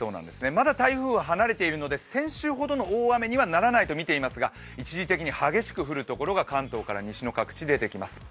まだ台風は離れているので先週ほどの大雨にはならないとみていますが一時的に激しく降るところが関東から西の各地で出てきます。